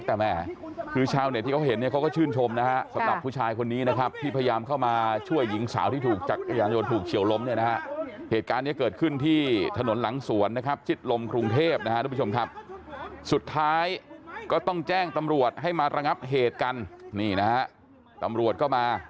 แท็กซี่คันนี้ก็พยายามบอกว่าสงค์อุดลัยทราลเรียก